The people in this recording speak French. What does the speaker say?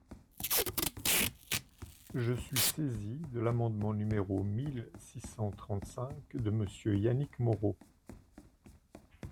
Je suis saisie de l’amendement numéro mille six cent trente-cinq de Monsieur Yannick Moreau.